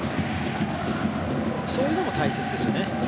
そういうのも大切ですよね。